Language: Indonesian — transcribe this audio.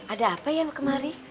ada apa ya kemari